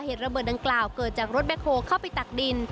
เหตุระเบิดดังกล่าวเกิดจากรถแคลเข้าไปตักดิน